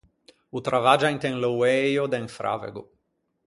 O travaggia inte un louëio de un fravego.